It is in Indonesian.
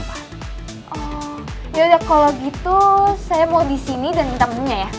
yaudah kalo gitu saya mau disini dan minta menu nya ya